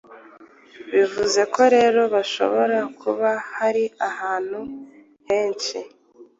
Bivuze ko rero hashobora kuba hari ahantu henshi